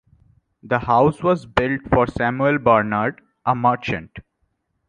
The house was built for Samuel Barnard, a merchant.